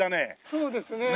そうですね。